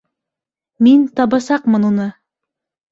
Мин... табасаҡмын уны!